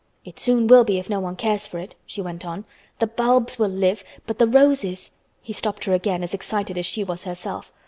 "It soon will be if no one cares for it," she went on. "The bulbs will live but the roses—" He stopped her again as excited as she was herself.